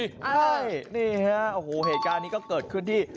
ใช่นี่ฮะโอ้โหเหตุการณ์นี้ก็เกิดขึ้นที่